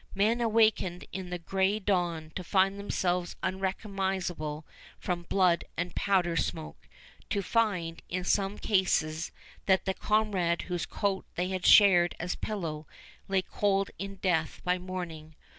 Men awakened in the gray dawn to find themselves unrecognizable from blood and powder smoke, to find, in some cases, that the comrade whose coat they had shared as pillow lay cold in death by morning.